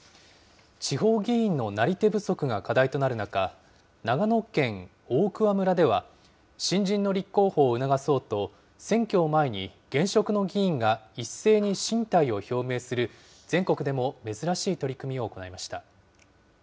地方議員のなり手不足が課題となる中、長野県大桑村では、新人の立候補を促そうと、選挙を前に現職の議員が一斉に進退を表明する全国でも珍しい取り組みを行いました。